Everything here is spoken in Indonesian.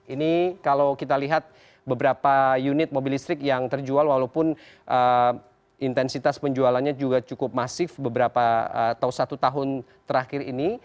ini kalau kita lihat beberapa unit mobil listrik yang terjual walaupun intensitas penjualannya juga cukup masif beberapa atau satu tahun terakhir ini